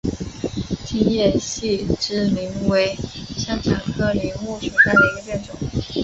金叶细枝柃为山茶科柃木属下的一个变种。